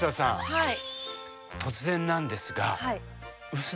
はい。